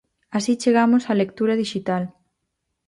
Así chegamos á lectura dixital.